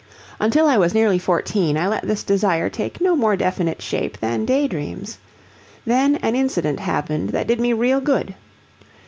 Until I was nearly fourteen I let this desire take no more definite shape than day dreams. Then an incident happened that did me real good.